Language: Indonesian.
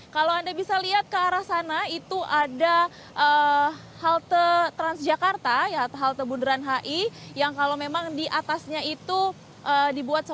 kalau anda bisa lihat ke arah sana itu ada halte transjakarta halte bundaran hi yang kalau memang di atasnya itu dibuat